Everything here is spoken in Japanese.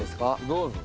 どうぞ。